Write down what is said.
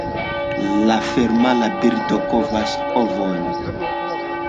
La femala birdo kovas ovojn.